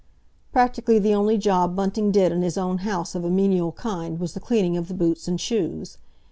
Practically the only job Bunting did in his own house of a menial kind was the cleaning of the boots and shoes.